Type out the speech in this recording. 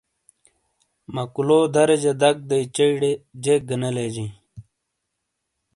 مَکُولو دَریجا دَک دئیی چئیی ڑے جیک گہ نے لیجئیی۔